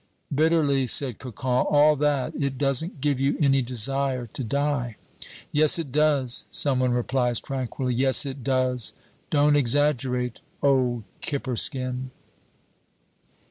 Bitterly said Cocon: "All that, it doesn't give you any desire to die." "Yes, it does," some one replies tranquilly. "Yes, it does. Don't exaggerate, old kipper skin."